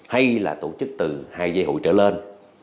hay là tổ chức từ hai dây hụi trở lên